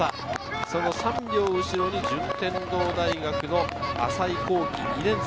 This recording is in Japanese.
その３秒、後ろに順天堂大学の浅井皓貴、２年生。